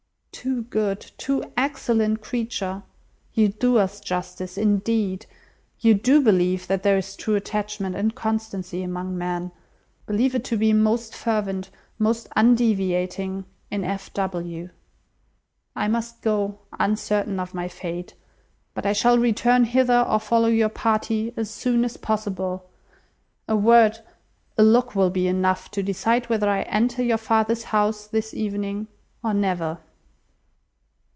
Too good, too excellent creature! You do us justice, indeed. You do believe that there is true attachment and constancy among men. Believe it to be most fervent, most undeviating, in F. W. "I must go, uncertain of my fate; but I shall return hither, or follow your party, as soon as possible. A word, a look, will be enough to decide whether I enter your father's house this evening or never."